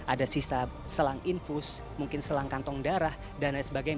ada sisa selang infus mungkin selang kantong darah dan lain sebagainya